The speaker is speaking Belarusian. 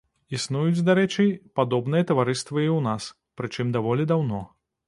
Існуюць, дарэчы, падобныя таварыствы і ў нас, прычым даволі даўно.